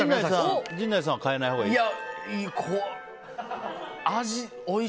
陣内さんは変えないほうがいい？